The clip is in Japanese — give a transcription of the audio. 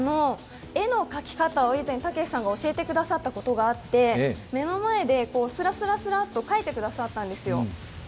絵の描き方を以前、たけしさんが教えてくださったことがあって目の前ですらすらっと描いてくださったんですよ。